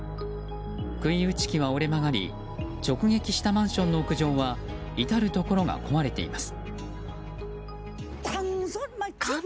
杭打ち機は折れ曲がり直撃したマンションの屋上は至るところが壊れています。